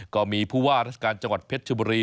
ก็มีผู้ว่าราชการจังหวัดเพชรชบุรี